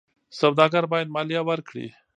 سوداګر باید مالیه ورکړي.